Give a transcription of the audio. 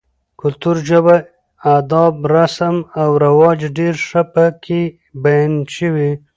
کلتور, ژبه ، اداب، رسم رواج ډېر ښه پکې بيان شوي